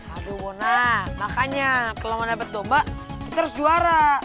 aduh wona makanya kalau mau dapat domba kita harus juara